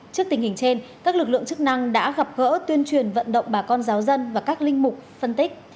trước tình hình trên các lực lượng chức năng đã gặp gỡ tuyên truyền vận động bà con giáo dân và các linh mục phân tích